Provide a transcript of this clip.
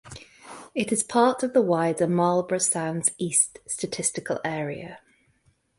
It is part of the wider Marlborough Sounds East statistical area.